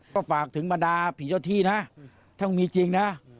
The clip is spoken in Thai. ก็ฝากถึงบรรดาผีเจ้าที่นะถ้ามีจริงนะ